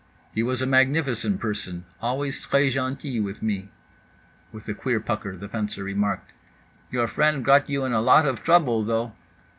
—"He was a magnificent person, always très gentil with me."—(With a queer pucker the fencer remarked) "Your friend got you into a lot of trouble, though."